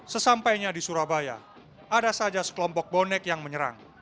sesampainya di surabaya ada saja sekelompok bonek yang menyerang